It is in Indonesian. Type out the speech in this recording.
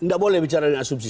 tidak boleh bicara asumsi